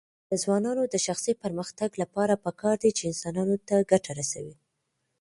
د ځوانانو د شخصي پرمختګ لپاره پکار ده چې انسانانو ته ګټه رسوي.